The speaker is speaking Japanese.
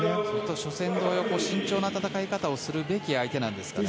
初戦同様慎重な戦い方をするべき相手なんですかね。